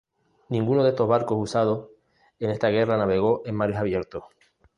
Ninguno de estos barcos usados en esta guerra navegó en mares abiertos.